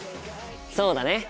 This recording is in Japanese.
そうだね。